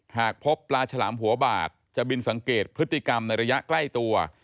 หากพบปลาฉลามหัวบาดจะบินสังเกตพฤติกรรมในระยะใกล้ตัว